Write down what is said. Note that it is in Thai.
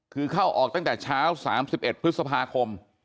คือเข้าออกตั้งแต่เช้า๓๑พฤษภาคม